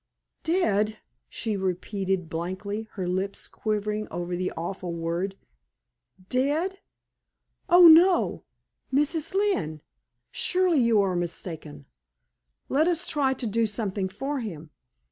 "Dead?" she repeated, blankly, her lips quivering over the awful word "dead? Oh, no, Mrs. Lynne! surely you are mistaken! Let us try to do something for him.